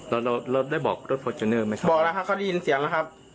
เราได้บอกรถไม่ครับบอกแล้วครับเขาได้ยินเสียงแล้วครับ